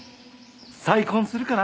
再婚するかな。